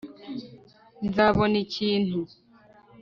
nzabona ikintu